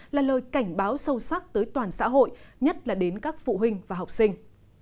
là lời cảnh báo sâu sắc tới toàn xã hội nhất là đến các phụ huynh và học sinh